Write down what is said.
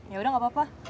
yaudah gak apa apa